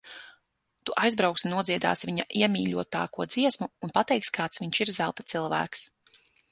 Tu aizbrauksi, nodziedāsi viņa iemīļotāko dziesmu un pateiksi, kāds viņš ir zelta cilvēks.